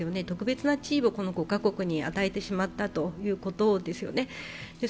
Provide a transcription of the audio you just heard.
特別な地位をこの５カ国に与えてしまったということですよね。